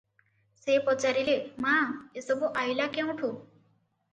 ସେ ପଚାରିଲେ ମା, ଏସବୁ ଆଇଲା କେଉଁଠୁ?